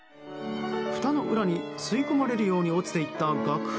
ふたの裏に吸い込まれるように落ちていった楽譜。